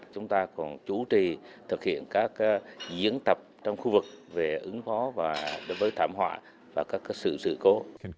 chúng ta còn chủ trì thực hiện các diễn tập trong khu vực về ứng khó đối với thảm họa và các sự dự cố